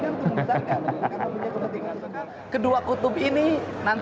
karena punya kepentingan terhadap golkar kedua kutub ini bersahabat